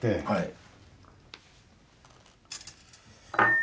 はい。